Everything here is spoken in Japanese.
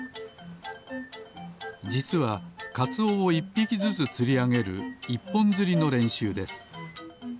じつはかつおを１ぴきずつつりあげる１ぽんづりのれんしゅうです。